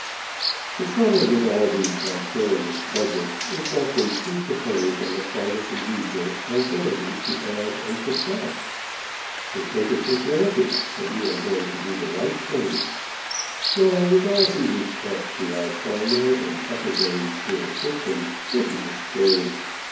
The trouble with all these vicarious budgets is that they presuppose, on the part of the user, an ability to add and subtract. They take it for granted that you are going to do the thing right. Now, with all due respect to our primary and secondary school system, this is absurd.